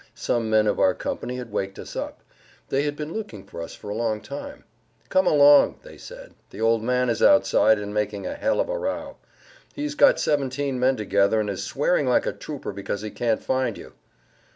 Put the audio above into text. Some men of our company had waked us up. They had been looking for us for a long time. "Come along," they said; "the old man is outside and making a hell of a row. He has got seventeen men together and is swearing like a trooper because he can't find you."